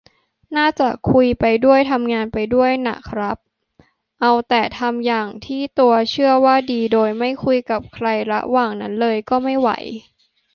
น่าจะคุยไปด้วยทำไปด้วยน่ะครับ เอาแต่ทำอย่างที่ตัวเชื่อว่าดีโดยไม่คุยกับใครระหว่างนั้นเลย ก็ไม่ไหว